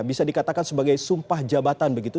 bisa dikatakan sebagai sumpah jabatan begitu